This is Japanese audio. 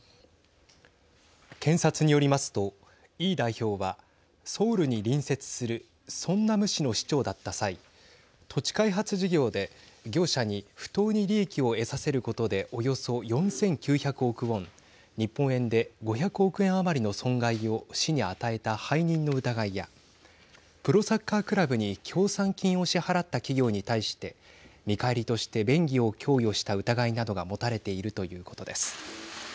検察によりますと、イ代表はソウルに隣接するソンナム市の市長だった際土地開発事業で業者に不当に利益を得させることでおよそ４９００億ウォン日本円で５００億円余りの損害を市に与えた背任の疑いやプロサッカークラブに協賛金を支払った企業に対して見返りとして便宜を供与した疑いなどが持たれているということです。